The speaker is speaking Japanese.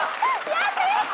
やった！